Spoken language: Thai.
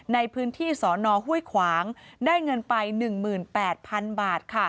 ในพื้นที่สนห้วยขวางได้เงินไป๑๘๐๐๐บาท